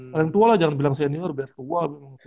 paling tua lah jangan bilang senior biar tua